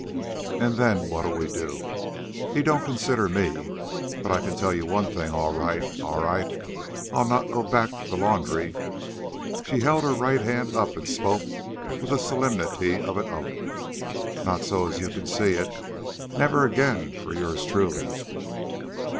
And then what'll we do? He don't consider me. But I can tell you one thing all right, all right. I'll not go back to the laundry." She held her right hand up and spoke with the solemnity of an oath. "Not so's you can see it. Never again for yours truly."